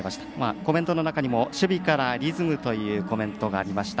コメントの中にも守備からリズムという話がありました。